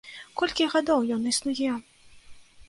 Колькі гадоў ён існуе!